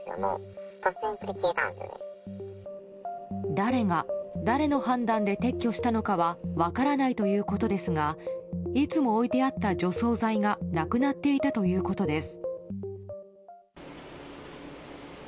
誰が、誰の判断で撤去したのかは分からないということですがいつも置いてあった除草剤がなくなっていたということです。